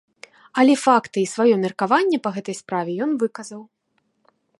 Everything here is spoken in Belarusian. Але факты і сваё меркаванне па гэтай справе ён выказаў.